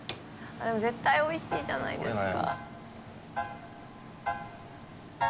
絶対美味しいじゃないですか。